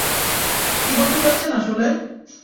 কী বলতে চাচ্ছেন আসলে?